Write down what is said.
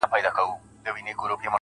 ورته نظمونه ليكم~